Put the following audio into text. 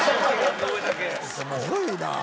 すごいな！